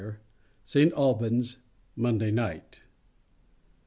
ST. ALBAN'S, MONDAY NIGHT.